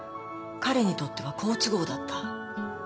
彼にとっては好都合だった。